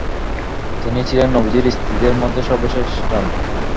তিনি ছিলেন নবীজির স্ত্রীদের মধ্যে সর্বশেষ জন।